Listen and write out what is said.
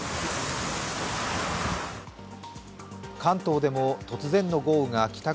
関東でも、突然の豪雨が帰宅